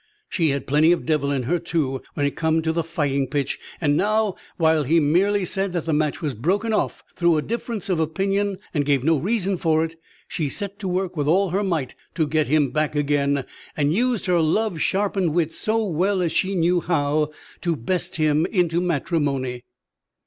She had plenty of devil in her, too, when it came to the fighting pitch; and now, while he merely said that the match was broken off through a difference of opinion, and gave no reason for it, she set to work with all her might to get him back again, and used her love sharpened wits so well as she knew how, to best him into matrimony.